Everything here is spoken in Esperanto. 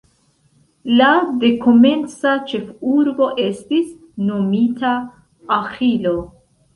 La dekomenca ĉefurbo estis nomita Aĥilo.